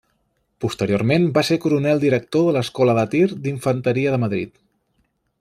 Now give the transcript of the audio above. Posteriorment va ser coronel director de l'Escola de Tir d'Infanteria de Madrid.